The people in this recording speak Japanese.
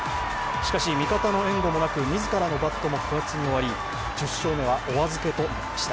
しかし、味方の援護もなく自らのバットも不発に終わり、１０勝目はお預けとなりました。